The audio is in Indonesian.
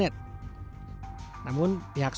namun pihak sekolah ini tidak mencari uang untuk mencari uang